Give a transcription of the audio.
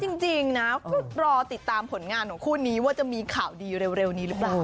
จริงนะก็รอติดตามผลงานของคู่นี้ว่าจะมีข่าวดีเร็วนี้หรือเปล่า